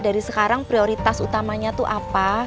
dari sekarang prioritas utamanya itu apa